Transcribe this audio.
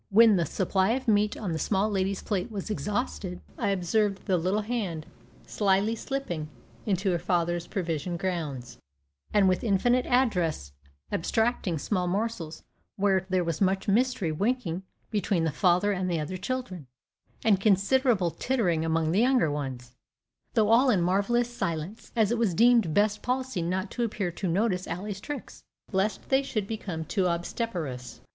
When the supply of meat on the small lady's plate was exhausted, I observed the little hand slyly slipping into her father's provision grounds, and with infinite address abstracting small morsels, whereat there was much mysterious winking between the father and the other children, and considerable tittering among the younger ones, though all in marvellous silence, as it was deemed best policy not to appear to notice Ally's tricks, lest they should become too obstreperous.